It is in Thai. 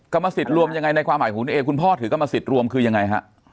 กรรมสิทธิ์รวมยังไงในความหมายของคุณเอคุณพ่อถือกรรมสิทธิ์รวมคือยังไงฮะ